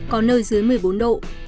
có nơi dưới một mươi bốn độ